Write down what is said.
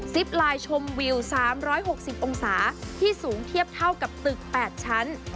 ไลน์ชมวิว๓๖๐องศาที่สูงเทียบเท่ากับตึก๘ชั้น